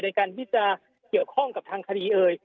ในการที่จะเกี่ยวข้องกับทางคดีเอ่ย